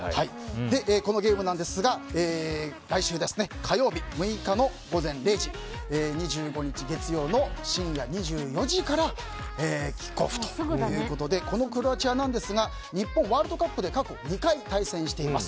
このゲームですが来週火曜日６日の午前０時５日月曜の深夜２４時からキックオフということでクロアチアですがワールドカップで過去２回対戦しています。